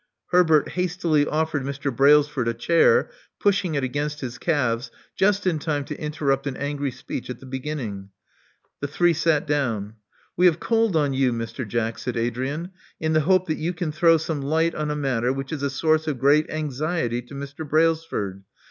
Herbert hastily offered Mr. Brailsford a chair, pushing it against his calves just in time to interrupt an angry speech at the beginning. The three sat down. We have called on you, Mr. Jack," said Adrian, *'in the hope that you can throw some light on a matter which is a source of great anxiety to Mr. Brailsford.